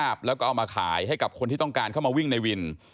แล้วก็เอามาขายให้กับคนที่ต้องการเข้ามาวิ่งในวิน